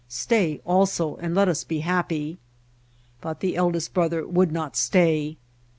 Stay also and let us be happy.' "But the eldest brother would not stay.